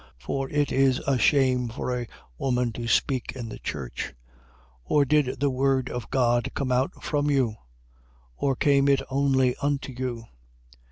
For it is a shame for a woman to speak in the church. 14:36. Or did the word of God come out from you? Or came it only unto you?